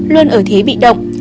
sáu luôn ở thế bị động